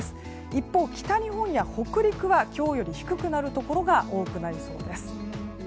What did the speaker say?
一方、北日本や北陸は今日より低くなるところが多くなりそうです。